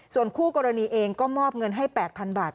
ส่วนคู่กรณีเองก็มอบเงินให้๘๐๐๐บาท